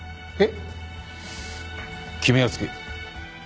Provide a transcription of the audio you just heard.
えっ。